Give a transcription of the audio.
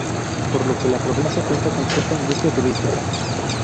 Por lo que la provincia cuenta con cierta industria turística.